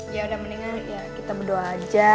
ya udah mendingan ya kita berdoa aja